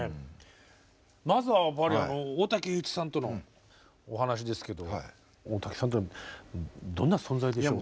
まずは大滝詠一さんとのお話ですけど大滝さんとはどんな存在でしょう。